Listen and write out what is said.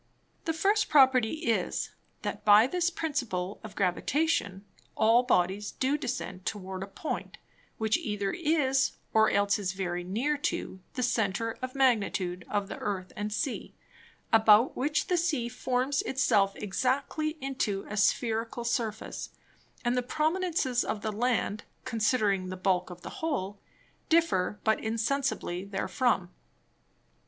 The first Property is, That by this Principle of Gravitation, all Bodies do descend towards a Point, which either is, or else is very near to the Center of Magnitude of the Earth and Sea, about which the Sea forms it self exactly into a Spherical Surface, and the Prominences of the Land, considering the Bulk of the whole, differ but insensibly therefrom.